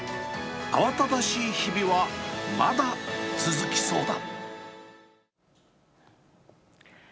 慌ただしい日々はまだ続きそうだ。